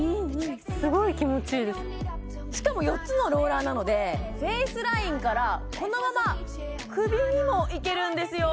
すごいしかも４つのローラーなのでフェイスラインからこのまま首にもいけるんですよ